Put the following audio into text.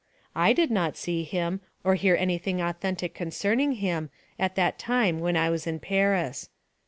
I did not see him, or hear anything authentic concerning him, at that time when I was in Paris."